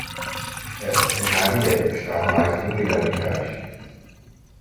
Essa Ferrari deve custar mais de um milhão de reais.